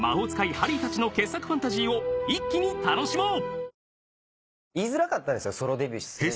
ハリーたちの傑作ファンタジーを一気に楽しもう！